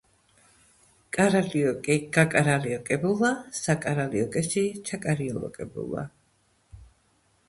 კარალიოკი გაკარალიოკებულა, საკარალიოკეში ჩაკარალიოკებულა.